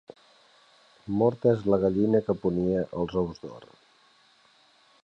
Morta és la gallina que ponia els ous d'or.